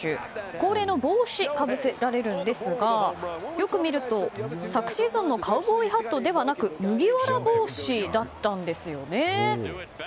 恒例の帽子かぶせられるんですがよく見ると、昨シーズンのカウボーイハットではなく麦わら帽子だったんですよね。